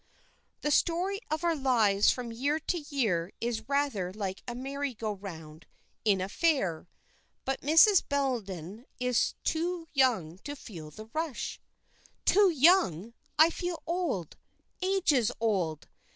"The story of our lives from year to year is rather like a merry go round in a fair, but Mrs. Bellenden is too young to feel the rush." "Too young! I feel old, ages old.